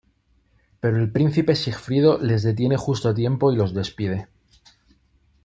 Pero el príncipe Sigfrido les detiene justo a tiempo y los despide.